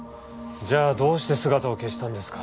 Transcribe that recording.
じゃあどうして姿を消したんですか？